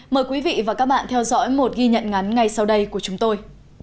mời quý vị và các bạn theo dõi một ghi nhận ngắn ngay sau đây của chúng tôi